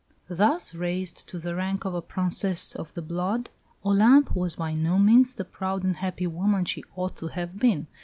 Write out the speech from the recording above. Thus raised to the rank of a Princess of the Blood, Olympe was by no means the proud and happy woman she ought to have been.